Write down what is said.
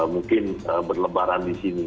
mungkin berlebaran di sini